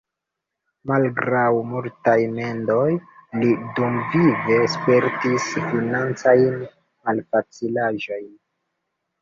Malgraŭ multaj mendoj li dumvive spertis financajn malfacilaĵojn.